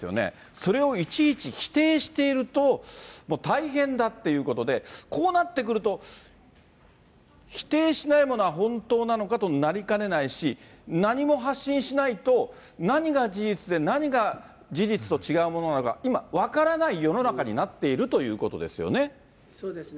それをいちいち否定していると、大変だっていうことで、こうなってくると、否定しないものは本当なのかとなりかねないし、何も発信しないと、何が事実で、何が事実と違うものなのか、今、分からない世の中になっているということですよね。